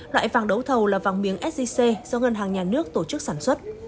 loại vàng đấu thầu là vàng miếng sgc do ngân hàng nhà nước tổ chức sản xuất